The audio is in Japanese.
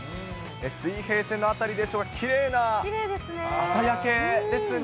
水平線のあたりでしょうか、きれいな朝焼けですね。